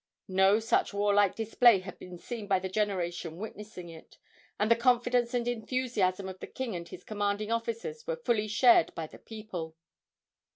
No such warlike display had been seen by the generation witnessing it, and the confidence and enthusiasm of the king and his commanding officers were fully shared by the people.